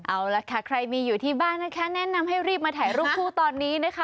เอาล่ะค่ะใครมีอยู่ที่บ้านนะคะแนะนำให้รีบมาถ่ายรูปคู่ตอนนี้นะคะ